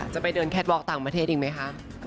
จะไปเดินแคทวอล์ต่างประเทศอีกไหมคะ